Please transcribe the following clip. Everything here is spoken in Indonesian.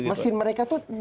mesin mereka tuh bisa efektif